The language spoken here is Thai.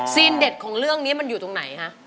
เด็ดของเรื่องนี้มันอยู่ตรงไหนฮะ